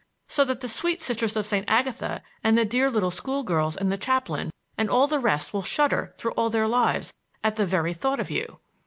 —so that the sweet Sisters of St. Agatha and the dear little school girls and the chaplain and all the rest will shudder through all their lives at the very thought of you."